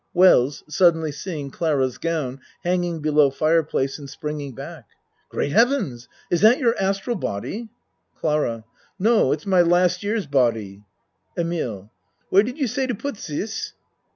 WELLS (Suddenly seeing Clara's gown hang ing below fireplace, and springing back.) Great Heavens! Is that your astral body? CLARA No, it's my last year's body. EMILE Where did you say to put zis?